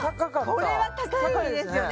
これは高いですよね